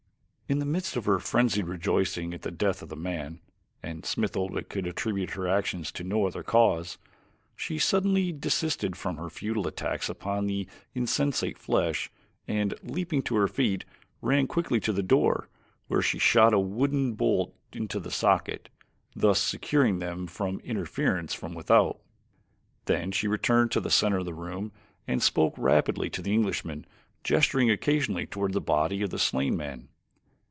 In the midst of her frenzied rejoicing at the death of the man, and Smith Oldwick could attribute her actions to no other cause, she suddenly desisted from her futile attacks upon the insensate flesh and, leaping to her feet, ran quickly to the door, where she shot a wooden bolt into its socket, thus securing them from interference from without. Then she returned to the center of the room and spoke rapidly to the Englishman, gesturing occasionally toward the body of the slain man.